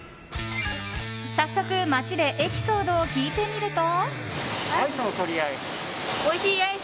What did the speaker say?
早速、街でエピソードを聞いてみると。